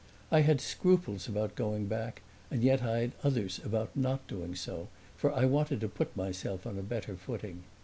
I had scruples about going back and yet I had others about not doing so, for I wanted to put myself on a better footing.